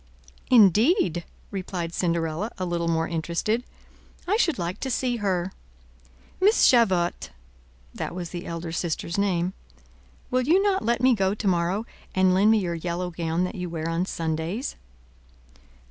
"Indeed!" replied Cinderella, a little more interested; "I should like to see her. Miss Javotte"—that was the elder sister's name—"will you not let me go to morrow, and lend me your yellow gown that you wear on Sundays?"